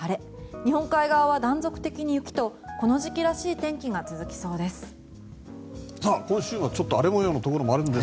日本海側は断続的に雪とこの時期らしい天気が続きそうです。